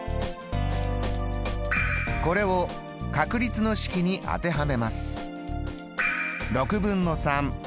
これを確率の式に当てはめます。